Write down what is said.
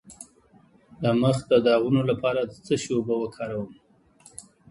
د مخ د داغونو لپاره د څه شي اوبه وکاروم؟